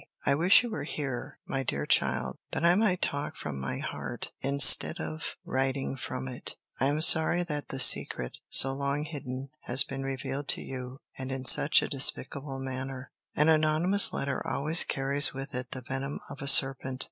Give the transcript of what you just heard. I wish you were here, my dear child, that I might talk from my heart, instead of writing from it. I am sorry that the secret, so long hidden, has been revealed to you, and in such a despicable manner. An anonymous letter always carries with it the venom of a serpent.